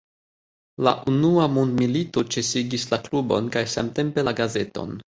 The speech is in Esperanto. La unua mondmilito ĉesigis la klubon kaj samtempe la gazeton.